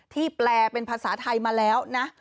แปลเป็นภาษาไทยมาแล้วนะ